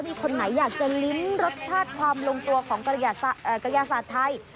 มีคนไหนอยากจะลิ้มรสชาติความลงตัวของกระยาศาสตร์ไทย